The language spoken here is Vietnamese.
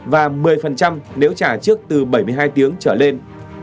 và một mươi nếu trả trước từ bảy mươi hai tiếng trở lên